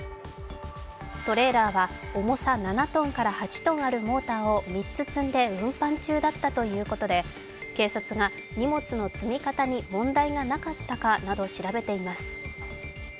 トレーラーは重さ７ｔから８ｔあるモーターを３つ積んで運搬中だったということで、警察が荷物の積み方に問題がなかったかなど調べています。